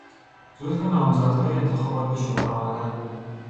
جزو نامزدهای انتخابات به شمار آمدن